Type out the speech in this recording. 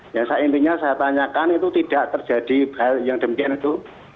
ya intinya saya tanyakan itu tidak terjadi hal yang demikian itu